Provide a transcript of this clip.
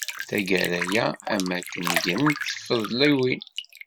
Tagara-a, am wakken negrent tfiḍliwin.